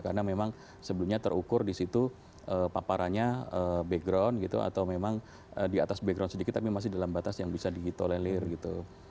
karena memang sebelumnya terukur di situ paparannya background gitu atau memang di atas background sedikit tapi masih dalam batas yang bisa di hito lelir gitu